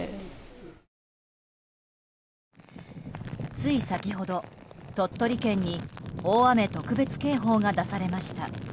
つい先ほど、鳥取県に大雨特別警報が出されました。